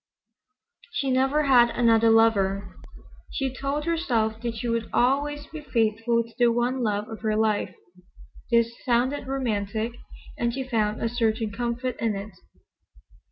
She never had another lover. She told herself that she would always be faithful to the one love of her life. This sounded romantic, and she found a certain comfort in it.